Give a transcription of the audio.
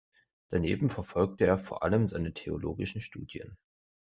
Daneben verfolgte er vor allem seine theologischen Studien.